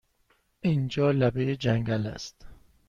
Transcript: اینجا لبه جنگل است!